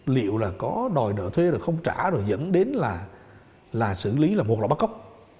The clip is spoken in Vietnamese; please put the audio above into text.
liệu là có đòi nợ thuê rồi không trả rồi dẫn đến là xử lý là một loại bắt cóc